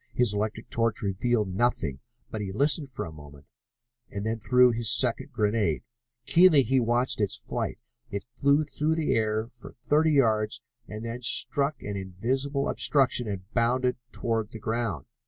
His electric torch revealed nothing, but he listened for a moment, and then threw his second grenade. Keenly he watched its flight. It flew through the air for thirty yards and then struck an invisible obstruction and bounded toward the ground.